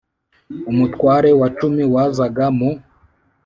Umutware wa cumi wazaga mu